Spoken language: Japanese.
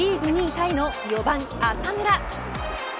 タイの４番、浅村。